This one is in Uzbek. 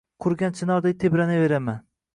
qurigan chinorday tebranaveraman.